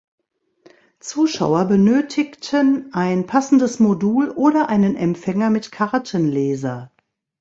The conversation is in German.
Zuschauer benötigten ein passendes Modul oder einen Empfänger mit Kartenleser.